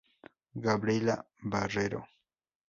Gabriela Barrero.